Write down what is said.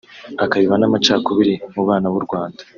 akabiba n’amacakubiri mu bana b’u Rwanda